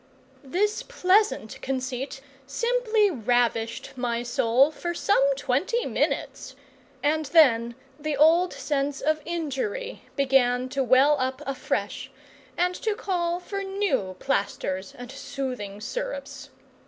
This pleasant conceit simply ravished my soul for some twenty minutes, and then the old sense of injury began to well up afresh, and to call for new plasters and soothing syrups.